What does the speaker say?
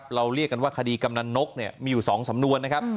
เราเรียกกันว่าคดีกำหนันนกมีอยู่สองสำนวน